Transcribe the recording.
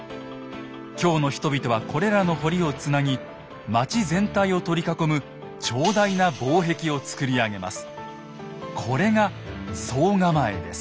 京の人々はこれらの堀をつなぎ町全体を取り囲む長大な防壁を造り上げます。